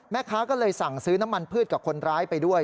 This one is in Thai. แม่ค้าก็เลยสั่งซื้อน้ำมันพืชกับคนร้ายไปด้วย